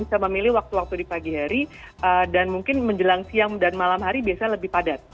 bisa memilih waktu waktu di pagi hari dan mungkin menjelang siang dan malam hari biasanya lebih padat